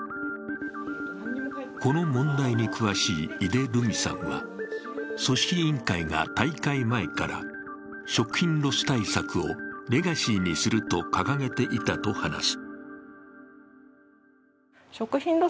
この問題に詳しい井出留美さんは組織委員会が大会前から、食品ロス対策をレガシーにすると掲げていたと話す。